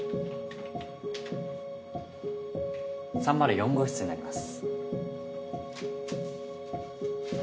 ３０４号室になります。